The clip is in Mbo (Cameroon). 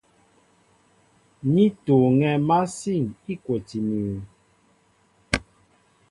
Ní tuuŋɛ̄ másîn îkwotí mʉ́ʉ́.